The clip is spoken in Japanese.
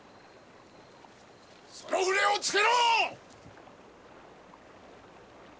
その舟を着けろ！